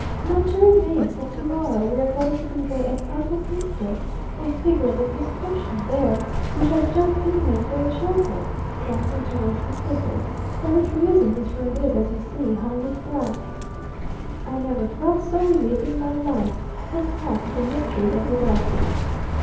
"Not to remain. But to morrow we are going to convey a Santo Cristo (a figure of the Crucifixion) there, which has just been made for the chapel;" glancing towards the figure; "for which reason this room is, as you see, hung with black." I never felt so relieved in my life, and thought of the Mysteries of Udolpho.